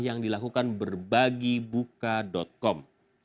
yang dilakukan berbagibuka com